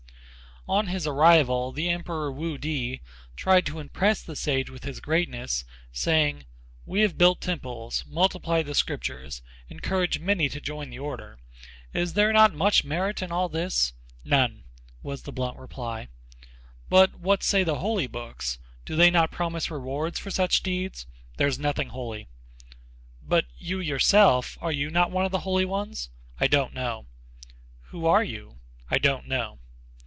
On his arrival the emperor Wu Ti tried to impress the sage with his greatness saying: "We have built temples, multiplied the Scriptures, encouraged many to join the Order: is not there much merit in all this?" "None," was the blunt reply. "But what say the holy books? Do they not promise rewards for such deeds?" "There is nothing holy." "But you, yourself, are you not one of the holy ones?" "I don't know." "Who are you?" "I don't know."